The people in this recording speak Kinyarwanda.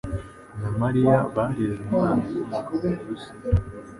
na Mariya bareze umwana ukomoka mu Burusiya.